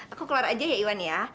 aku keluar aja ya iwan ya